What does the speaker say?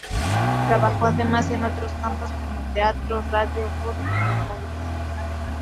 Trabajó además en otros campos, como teatro, radio, o documentales.